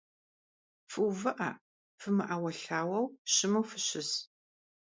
Фыувыӏэ, фымыӏэуэлъауэу, щыму фыщыс.